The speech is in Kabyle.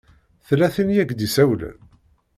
Tella tin i ak-d-isawlen?